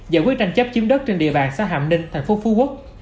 giải quyết tranh chấp chiếm đất trên địa bàn xã hàm ninh thành phố phú quốc